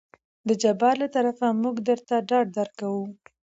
د جبار له طرفه موږ درته ډاډ درکو.